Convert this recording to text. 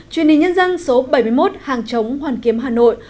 truyền hình nhân dân số bảy mươi một hàng chống hoàn kiếm hà nội